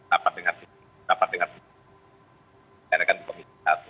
dapat dengar dpr kan komunikasi